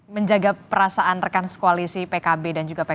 menjaga perasaan rekan koalisi pkb dan juga p tiga